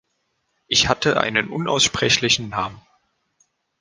Ich hatte einen unaussprechlichen Namen.